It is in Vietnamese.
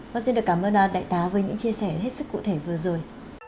vâng xin được cảm ơn đại tá với những chia sẻ hết sức cụ thể vừa rồi